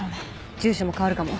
住所も変わるかも。